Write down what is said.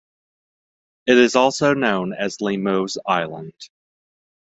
It is also known as Lemo's Island.